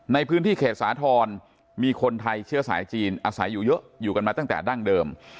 ในพื้นที่เขตสาธรณ์มีคนไทยเชื้อสายจีนอาศัยอยู่เยอะอยู่กันมาตั้งแต่ดั้งเดิม